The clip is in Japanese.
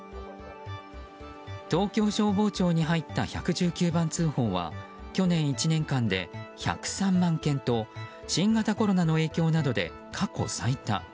東京消防庁に入った１１９番通報は去年１年間で１０３万件と新型コロナの影響などで過去最多。